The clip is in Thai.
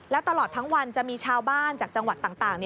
แล้วตลอดทั้งวันจะมีชาวบ้านจากจังหวัดต่าง